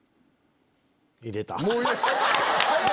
入れた。